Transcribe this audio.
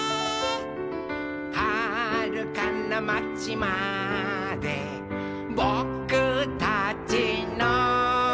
「はるかなまちまでぼくたちの」